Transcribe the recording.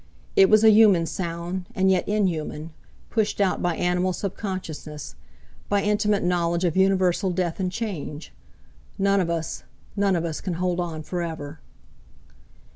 It was a human sound, and yet inhuman, pushed out by animal subconsciousness, by intimate knowledge of universal death and change. None of us—none of us can hold on for ever!